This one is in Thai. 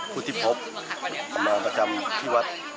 โพสริทธิภพมาประจำที่วัด